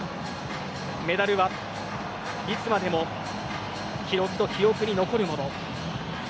メダルはいつまでも記録と記憶に残るもの。